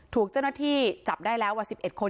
ถูกเจ้าหน้าที่จับได้แล้ว๑๑คน